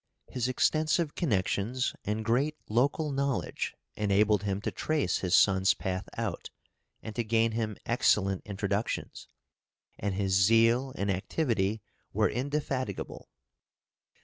His extensive connections and great local knowledge enabled him to trace his {EARLY MANHOOD.} (348) son's path out, and to gain him excellent introductions, and his zeal and activity were indefatigable.